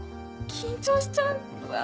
緊張しちゃう！